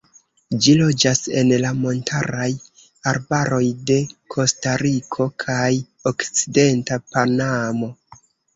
Ĝi loĝas en la montaraj arbaroj de Kostariko kaj okcidenta Panamo.